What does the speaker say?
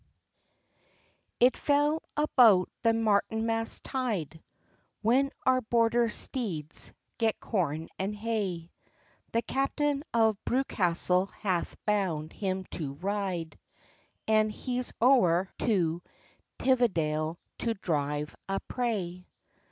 IT fell about the Martinmas tyde, When our Border steeds get corn and hay The captain of Bewcastle hath bound him to ryde, And he's ower to Tividale to drive a prey.